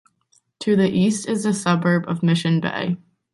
To the east is the suburb of Mission Bay.